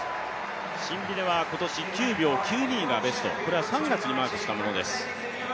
シンビネは今年９秒９２がベストこれは３月にマークしたものです。